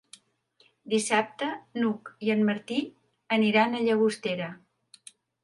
Dissabte n'Hug i en Martí aniran a Llagostera.